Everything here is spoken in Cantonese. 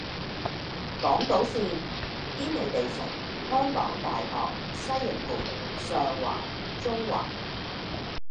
港島綫：堅尼地城，香港大學，西營盤，上環，中環